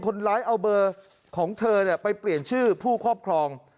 คนร้ายเอาเบอร์ของเธอไปเปลี่ยนชื่อผู้ครอบครอง